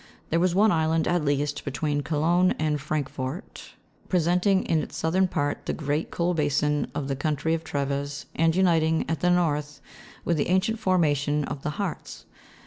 There was one island, at least, between Cologne and Francfort, presenting in its southern part the great coal basin of the country of Treves, and uniting, at the north, with the ancient formation of the Hartz.